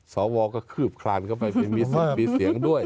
สวก็คืบคลานเข้าไปมีเสียงด้วย